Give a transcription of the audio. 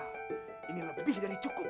kamu akan menjadi penyelidik kenal